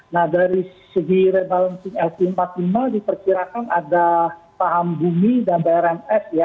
nah dari segi rebalancing lp empat puluh lima diperkirakan ada paham bumi dan brms ya